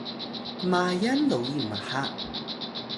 kmayal loyi mha